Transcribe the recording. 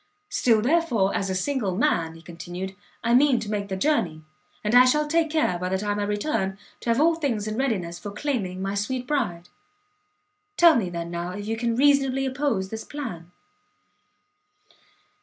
"Still, therefore, as a single man," he continued, "I mean to make the journey, and I shall take care, by the time I return, to have all things in readiness for claiming my sweet Bride. Tell me, then, now, if you can reasonably oppose this plan?"